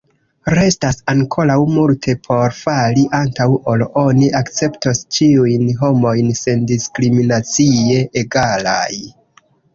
Restas ankoraŭ multe por fari, antaŭ ol oni akceptos ĉiujn homojn sendiskriminacie egalaj.